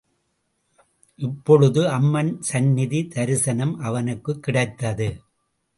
இப்பொழுது அம்மன் சந்நிதி தரிசனம் அவனுக்குக் கிடைத்தது.